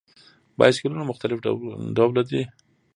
بایسکلونه مختلف ډوله دي.